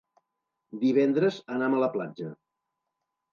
Divendres anam a la platja.